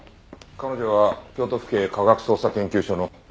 彼女は京都府警科学捜査研究所の。